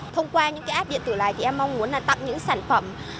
thông qua những cái app điện tử này thì em mong muốn là tặng những sản phẩm